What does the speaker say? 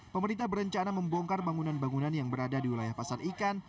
pemerintah berencana membongkar bangunan bangunan yang berada di wilayah pasar ikan